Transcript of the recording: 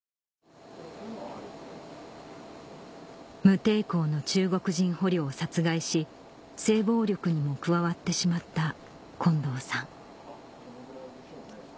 無抵抗の中国人捕虜を殺害し性暴力にも加わってしまった近藤さん